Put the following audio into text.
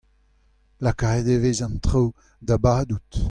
Lakaet e vez an traoù da badout.